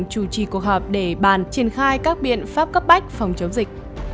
chủ trì cuộc họp để bàn triển khai các biện pháp cấp bách phòng chống dịch